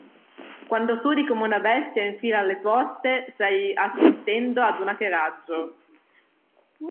Quando sudi come una bestia in fila alle poste, stai assistendo a un hackeraggio.